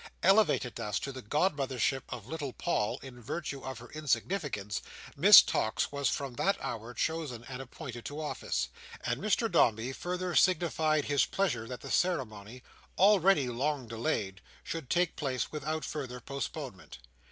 Elevated thus to the godmothership of little Paul, in virtue of her insignificance, Miss Tox was from that hour chosen and appointed to office; and Mr Dombey further signified his pleasure that the ceremony, already long delayed, should take place without further postponement.